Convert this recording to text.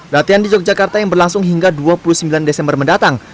latihan di yogyakarta yang berlangsung hingga dua puluh sembilan desember mendatang